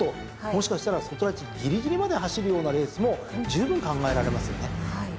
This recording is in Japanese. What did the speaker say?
もしかしたら外ラチギリギリまで走るようなレースもじゅうぶん考えられますよね。